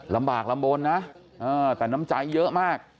ลำบากลำบลนะแต่น้ำใจเยอะมาก